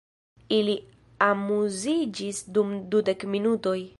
Ili amuziĝis dum dudek minutoj.